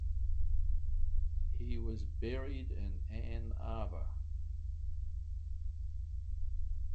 He was buried in Ann Arbor.